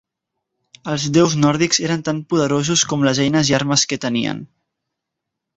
Els déus nòrdics eren tan poderosos com les eines i armes que tenien.